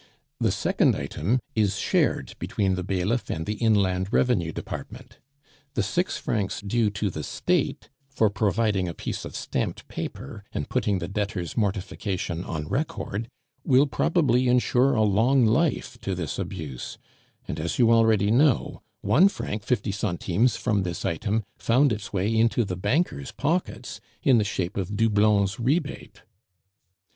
The second item is shared between the bailiff and the Inland Revenue Department. The six francs due to the State for providing a piece of stamped paper, and putting the debtor's mortification on record, will probably ensure a long life to this abuse; and as you already know, one franc fifty centimes from this item found its way into the banker's pockets in the shape of Doublon's rebate.